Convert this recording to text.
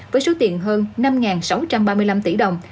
với số tiền hơn năm sáu trăm ba mươi năm tỷ đồng